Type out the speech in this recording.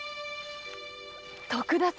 徳田様。